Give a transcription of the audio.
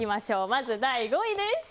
まず第５位です。